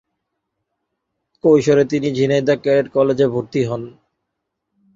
কৈশোরে তিনি ঝিনাইদহ ক্যাডেট কলেজে ভর্তি হন।